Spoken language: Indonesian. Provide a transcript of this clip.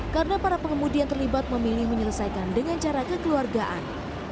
karena para pengemudi yang terlibat memilih menyelesaikan dengan cara kekeluargaan